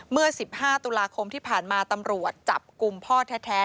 เมื่อ๑๕ตุลาคมที่ผ่านมาตำรวจจับกลุ่มพ่อแท้